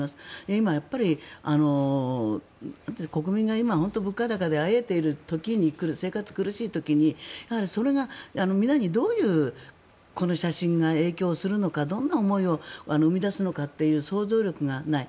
今、国民が物価高であえいでいる時に生活苦しい時にそれが皆にどういうこの写真が影響するのかどんな思いを生み出すのかという想像力がない。